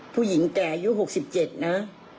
ผู้หญิงแก่ยุคหกสิบเจ็ดนะ